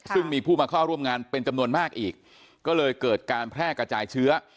ซึ่งมีผู้มาเข้าร่วมงานเป็นจำนวนมากอีกก็เลยเกิดการแพร่กระจายเชื้อ